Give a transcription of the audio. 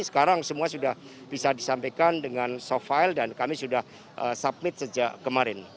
sekarang semua sudah bisa disampaikan dengan soft file dan kami sudah submit sejak kemarin